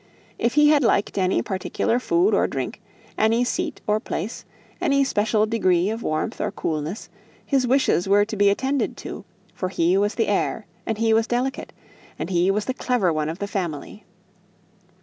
If he had liked any particular food or drink, any seat or place, any special degree of warmth or coolness, his wishes were to be attended to; for he was the heir, and he was delicate, and he was the clever one of the family.